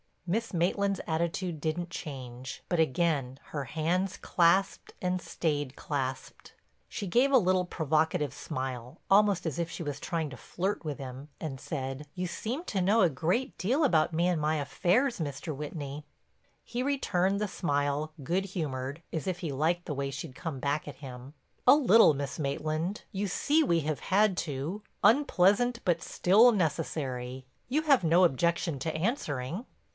Miss Maitland's attitude didn't change, but again her hands clasped and stayed clasped. She gave a little, provocative smile, almost as if she was trying to flirt with him, and said: "You seem to know a great deal about me and my affairs, Mr. Whitney." He returned the smile, good humored, as if he liked the way she'd come back at him. "A little, Miss Maitland. You see we have had to, unpleasant but still necessary—you have no objection to answering?"